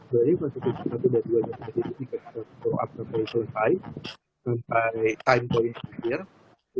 dari proses prosedur yang jatuh tinggi sampai time point yang lebih tinggi